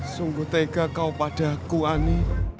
sungguh tega kau padaku ani